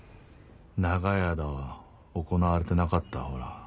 長い間行われてなかったほら